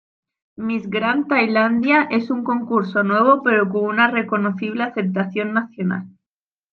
Miss Grand Tailandia es un concurso nuevo pero con una reconocible aceptación nacional.